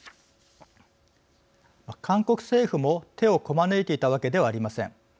韓国政府も手をこまねいていたわけではありません。